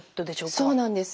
そうなんです。